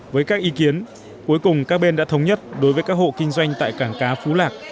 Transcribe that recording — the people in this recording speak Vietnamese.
với các ý kiến cuối cùng các bên đã thống nhất đối với các hộ kinh doanh tại cảng cá phú lạc